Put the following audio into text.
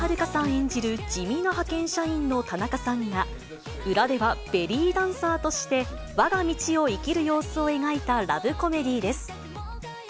演じる地味な派遣社員の田中さんが、裏ではベリーダンサーとして、わが道を生きる様子を描いたラブコメディーです。